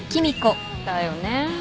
だよね。